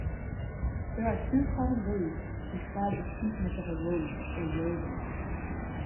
There are two common ways to describe the steepness of a road or railroad.